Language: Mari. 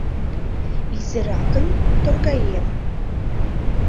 Изиракын торгаем.